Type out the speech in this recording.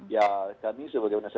ya kami sebagai pemerintah